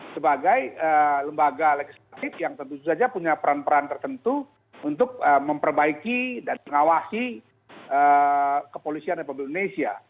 sebagai lembaga legislatif yang tentu saja punya peran peran tertentu untuk memperbaiki dan mengawasi kepolisian republik indonesia